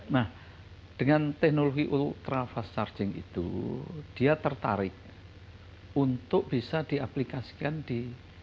nah dengan teknologi ultra fast charging itu dia tertarik untuk bisa diaplikasikan di